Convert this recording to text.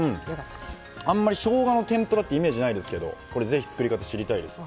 あんまりしょうがの天ぷらってイメージないですがぜひ、作り方、知りたいです。